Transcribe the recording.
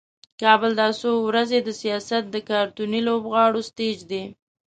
کابل دا څو ورځې د سیاست د کارتوني لوبغاړو سټیج دی.